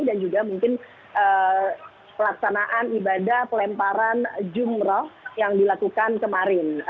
dan juga mungkin pelaksanaan ibadah pelemparan jumrah yang dilakukan kemarin